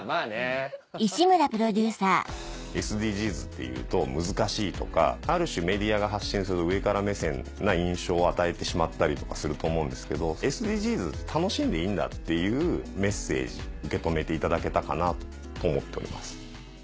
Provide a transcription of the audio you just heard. ＳＤＧｓっていうと難しいとかある種メディアが発信する上から目線な印象を与えてしまったりとかすると思うんですけどＳＤＧｓって楽しんでいいんだっていうメッセージ受け止めていただけたかなと思っております。